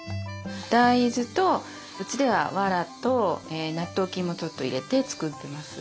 大豆とうちではわらと納豆菌もちょっと入れて作ってます。